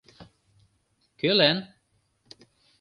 Кӧлан?..